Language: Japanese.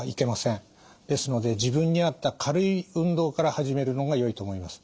ですので自分に合った軽い運動から始めるのがよいと思います。